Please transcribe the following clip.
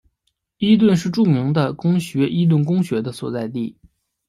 伊顿是著名的公学伊顿公学的所在地。